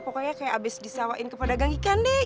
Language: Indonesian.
pokoknya kayak abis disewain kepada gang ikan deh